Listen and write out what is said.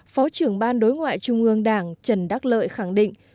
phó trưởng ban đối ngoại trung ương đảng trần đắc lợi khẳng định